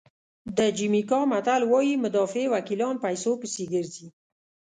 د جمیکا متل وایي مدافع وکیلان پیسو پسې ګرځي.